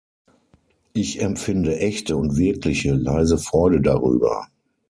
Ich empfinde echte und wirkliche leise Freude darüber.